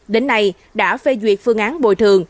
đến nay đã phê duyệt phương án bồi thường